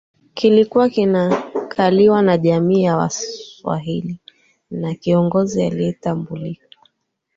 kilikuwa kinakaliwa na jamii za Waswahili na kiongozi anayetambulika